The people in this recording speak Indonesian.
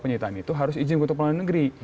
penyitaan itu harus izin ketua pengelola negeri